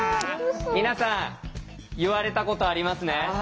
皆さん言われたことありますね？